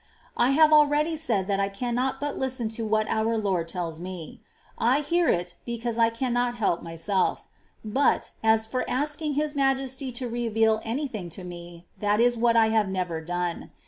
I have already said that I cannot but listen to what our Lord tells me ; I hear it because I cannot help myself ; but, as for asking His Majesty to reveal any thing to me, that is what I have never done.